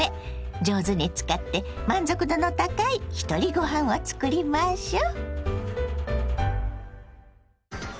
上手に使って満足度の高いひとりごはんを作りましょ。